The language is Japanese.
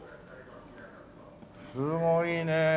すごいねえ。